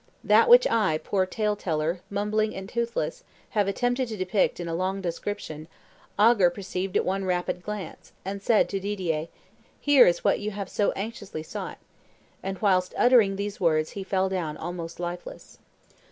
That which I, poor tale teller, mumbling and toothless, have attempted to depict in a long description, Ogger perceived at one rapid glance, and said to Didier, 'Here is what ye have so anxiously sought:' and whilst uttering these words he fell down almost lifeless."